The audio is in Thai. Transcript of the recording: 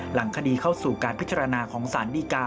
หลังคดีเข้าสู่การพิจารณาของสารดีกา